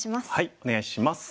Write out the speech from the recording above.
お願いします。